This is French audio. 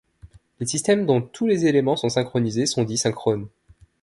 Les systèmes dont tous les éléments sont synchronisés sont dits synchrones.